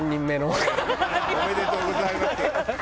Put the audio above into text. おめでとうございます。